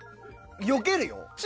よけるよ。